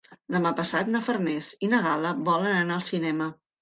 Demà passat na Farners i na Gal·la volen anar al cinema.